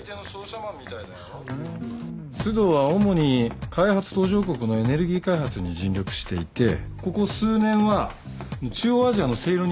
須藤は主に開発途上国のエネルギー開発に尽力していてここ数年は中央アジアのセイロニアって分かる？